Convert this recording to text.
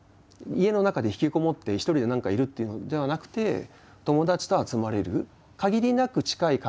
家の中で引きこもって一人で何かいるっていうのではなくて友達と集まれる。